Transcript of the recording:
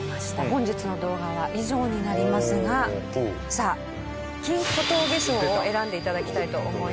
本日の動画は以上になりますがさあ金小峠賞を選んで頂きたいと思います。